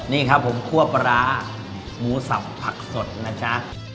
นี่ครับผมคั่วปลาร้าหมูสับผักสดนะจ๊ะ